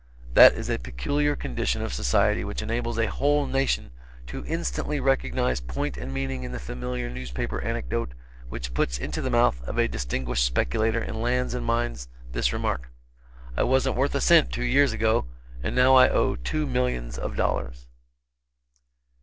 That is a peculiar condition of society which enables a whole nation to instantly recognize point and meaning in the familiar newspaper anecdote, which puts into the mouth of a distinguished speculator in lands and mines this remark: "I wasn't worth a cent two years ago, and now I owe two millions of dollars."